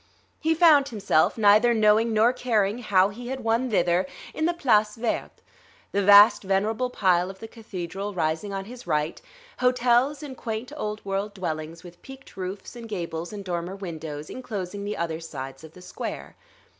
He found himself, neither knowing nor caring how he had won thither, in the Place Verte, the vast venerable pile of the Cathedral rising on his right, hotels and quaint Old World dwellings with peaked roofs and gables and dormer windows, inclosing the other sides of the square.